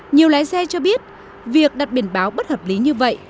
nhiều lái xe cho biết việc đặt biển báo bất hợp lý như vậy